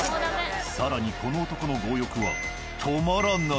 更にこの男の強欲は止まらない。